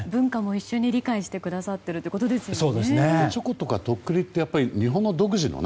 文化も一緒に理解してくれてるってことですよね。